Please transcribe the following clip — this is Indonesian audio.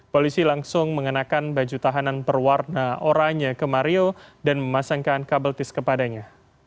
polisi langsung mengenakan baju tahanan perwarna oranya ke mario dan memasangkan kabel t kepadanya